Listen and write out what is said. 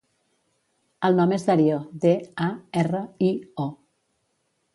El nom és Dario: de, a, erra, i, o.